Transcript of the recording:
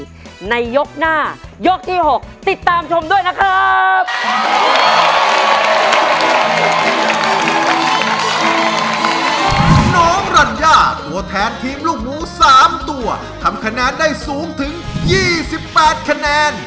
น้องรัญญาตัวแทนทีมลูกหมู๓ตัวทำคะแนนได้สูงถึง๒๘คะแนน